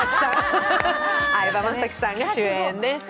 相葉雅紀さんが主演です。